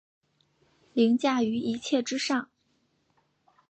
凌驾於一切之上